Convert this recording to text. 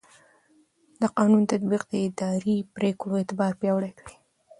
د قانون تطبیق د اداري پرېکړو اعتبار پیاوړی کوي.